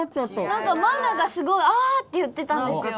なんかマウナがすごい「あ！」って言ってたんですよ。